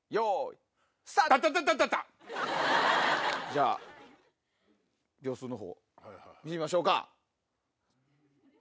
じゃあ秒数のほう見てみましょうか。